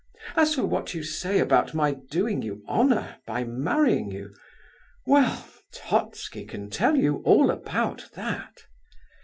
As for what you say about my doing you honour by marrying you—well, Totski can tell you all about that.